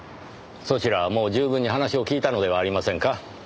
そちらはもう十分に話を聞いたのではありませんか？